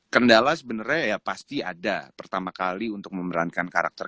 kendala sebenarnya ya pasti ada pertama kali untuk memerankan karakter